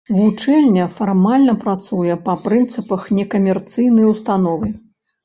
Вучэльня фармальна працуе па прынцыпах некамерцыйнай установы.